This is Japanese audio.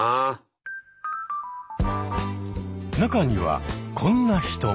中にはこんな人も。